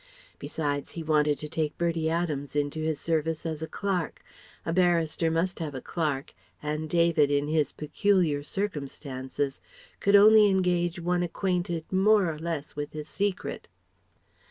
Besides he wanted to take Bertie Adams into his service as a Clerk. A barrister must have a clerk, and David in his peculiar circumstances could only engage one acquainted more or less with his secret.